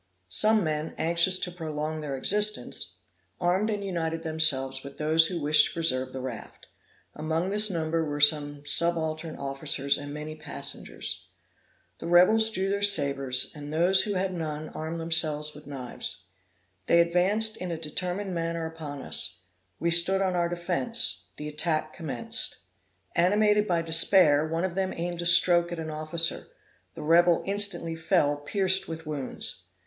Some men anxious to prolong their existence, armed and united themselves with those who wished to preserve the raft; among this number were some subaltern officers and many passengers. The rebels drew their sabres, and those who had none armed themselves with knives. They advanced in a determined manner upon us; we stood on our defence; the attack commenced. Animated by despair, one of them aimed a stroke at an officer; the rebel instantly fell, pierced with wounds.